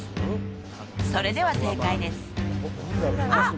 それでは正解ですあっ！